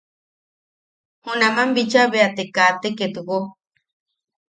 Junaman bicha bea te kate ketwo.